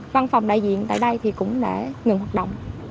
văn phòng đại diện tại đây thì cũng đã ngừng hoạt động